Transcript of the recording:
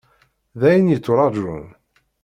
D ayen yetturajun.